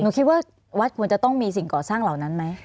คิดว่าวัดควรจะต้องมีสิ่งก่อสร้างเหล่านั้นไหม